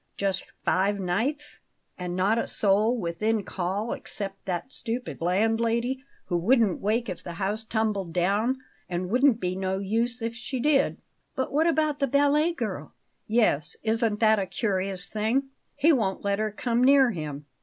Just five nights; and not a soul within call except that stupid landlady, who wouldn't wake if the house tumbled down, and would be no use if she did." "But what about the ballet girl?" "Yes; isn't that a curious thing? He won't let her come near him.